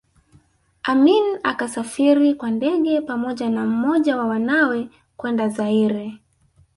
Amin akasafiri kwa ndege pamoja na mmoja wa wanawe kwenda Zaire